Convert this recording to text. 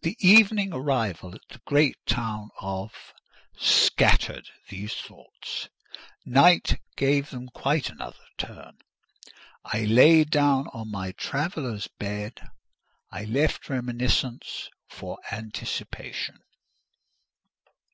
The evening arrival at the great town of —— scattered these thoughts; night gave them quite another turn: laid down on my traveller's bed, I left reminiscence for anticipation.